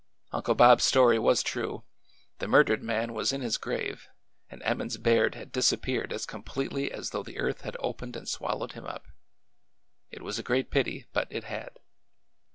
Uncle Bob's story was true. The murdered man was in his grave, and Emmons Baird had disappeared as completely as though the earth had opened and swal lowed him up. It was a great pity but it had.